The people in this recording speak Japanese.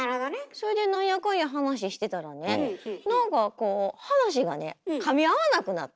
それでなんやかんや話してたらね何かこう話がねかみ合わなくなってきて。